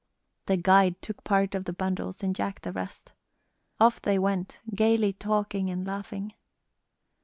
The guide took part of the bundles and Jack the rest. Off they went gayly talking and laughing.